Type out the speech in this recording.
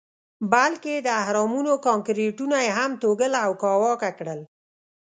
بلکې د اهرامونو کانکریټونه یې هم توږل او کاواکه کړل.